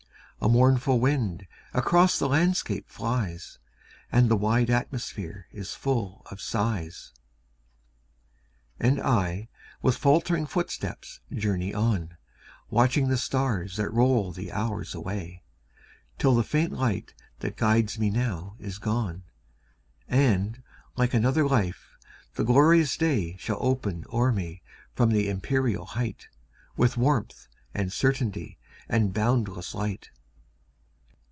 A mournful wind across the landscape flies, And the wide atmosphere is full of sighs. And I, with faltering footsteps, journey on, Watching the stars that roll the hours away, Till the faint light that guides me now is gone, And, like another life, the glorious day Shall open o'er me from the empyreal height, With warmth, and certainty, and boundless light.